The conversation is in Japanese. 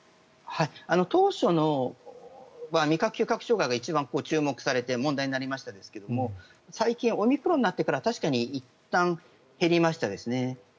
当初は味覚・嗅覚障害が一番注目されて問題になりましたけれども最近、オミクロンになってから確かにいったん減りましたね。